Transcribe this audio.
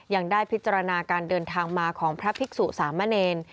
ยังได้พิจารณาการเดินทางมาของพระภิกษุสามเณร